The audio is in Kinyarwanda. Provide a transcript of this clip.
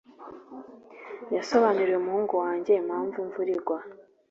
Yasobanuriye umuhungu wanjye impamvu imvura igwa.